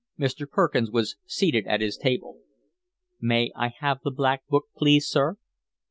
Mr. Perkins was seated at his table. "May I have the Black Book, please, sir."